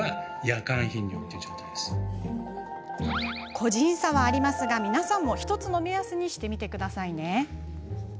個人差はありますが皆さんも１つの目安にしてみてくださいね。